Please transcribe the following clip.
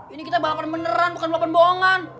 ini kita balapan beneran bukan bohongan